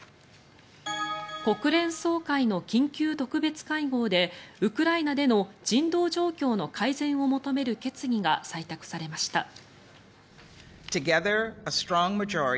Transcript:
国連総会の緊急特別会合でウクライナでの人道状況の改善を求める決議が採択されました。